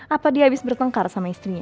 apa dia habis bertengkar sama istrinya